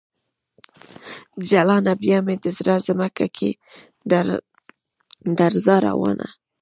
جلانه ! بیا مې د زړه ځمکه کې درزا روانه